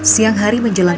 siang hari menjelang